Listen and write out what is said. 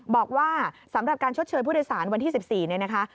บอกว่าสำหรับการชดเชยผู้โดยสารวันที่๑๔เนี่ยนะคะ